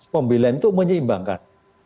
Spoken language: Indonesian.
pembelaan itu menyeimbangkan